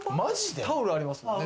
タオルありますもんね。